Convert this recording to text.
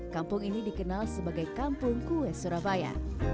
kampung ini dikenal sebagai kampung kue surabaya